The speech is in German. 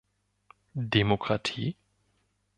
Demokratie?